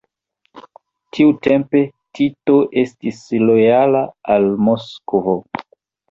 Tiutempe Tito estis lojala al Moskvo.